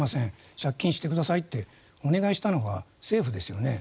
借金をしてくださいとお願いしたのは政府ですよね。